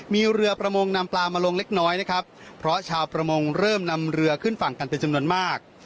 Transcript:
มีเรือประมงนำปลามาลงเล็กน้อยนะครับเพราะชาวประมงเริ่มนำเรือขึ้นฝั่งกันเป็นจำนวนมาก